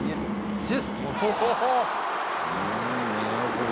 これ」